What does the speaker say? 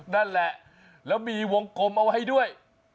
นั่นแหละแล้วมีวงกลมเอาไว้ด้วย